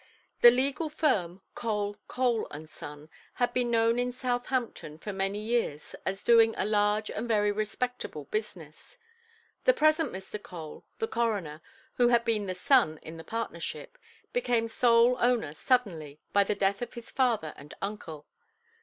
The legal firm, "Cole, Cole, and Son", had been known in Southampton for many years, as doing a large and very respectable business. The present Mr. Cole, the coroner, who had been the "Son" in the partnership, became sole owner suddenly by the death of his father and uncle.